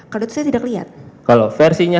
kalau itu saya tidak lihat kalau versinya